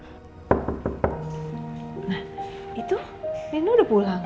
nah itu rindu udah pulang